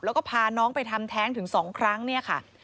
แล้วก็พาน้องไปทำแท้งถึง๒ครั้งเนี่ยค่ะ